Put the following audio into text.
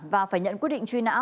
và phải nhận quyết định truy nã